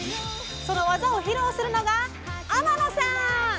そのワザを披露するのが天野さん！